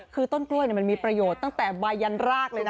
คือต้นกล้วยมันมีประโยชน์ตั้งแต่ใบยันรากเลยนะ